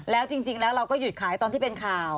แล้วจริงแล้วเราก็หยุดขายตอนที่เป็นข่าว